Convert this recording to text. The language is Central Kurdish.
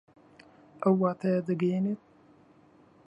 ئەو واتایە دەگەیەنێت